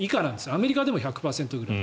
アメリカでも１００％ぐらい。